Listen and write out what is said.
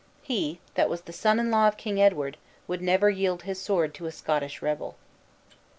He, that was the son in law of King Edward, would never yield his sword to a Scottish rebel."